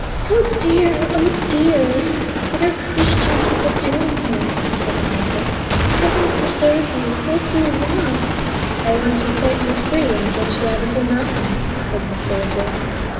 "Oh, dear; oh, dear! what are Christian people doing here?" said the Princess. "Heaven preserve you! what do you want?" "I want to set you free and get you out of the mountain," said the soldier.